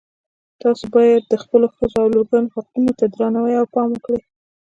تاسو باید د خپلو ښځو او لورګانو حقونو ته درناوی او پام وکړئ